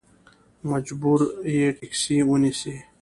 مجبور یې ټیکسي ونیسې.